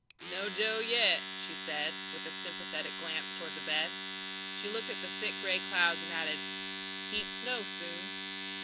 "No Joe yet," she said, with a sympathetic glance toward the bed. She looked at the thick gray clouds, and added, "Heap snow soon."